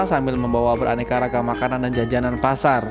sambil membawa beraneka raga makanan dan jajanan pasar